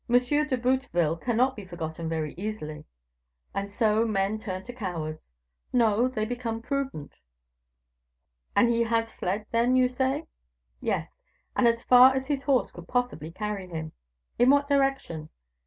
de Bouteville cannot be forgotten very easily." "And so, men turn cowards." "No, they become prudent." "And he has fled, then, you say?" "Yes; and as fast as his horse could possibly carry him." "In what direction?"